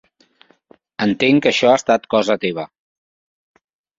Entenc que això ha estat cosa teva.